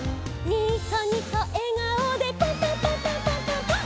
「ニコニコえがおでパンパンパンパンパンパンパン！！」